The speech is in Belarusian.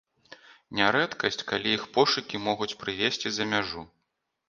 Не рэдкасць, калі іх пошукі могуць прывесці за мяжу.